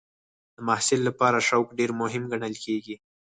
د محصل لپاره شوق ډېر مهم ګڼل کېږي.